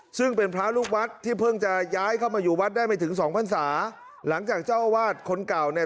ซึ่งเป็นพระลูกวัดที่เพิ่งจะย้ายเข้ามาอยู่วัดได้ไม่ถึงสองพันศาหลังจากเจ้าอาวาสคนเก่าเนี่ย